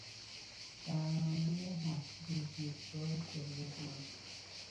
برنامهی هفت روز یکبار تلویزیون